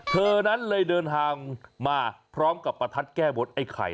เธอนั้นเลยเดินทางมาพร้อมกับประทัดแก้บนไอ้ไข่